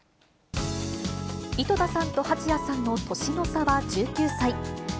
井戸田さんと蜂谷さんの年の差は１９歳。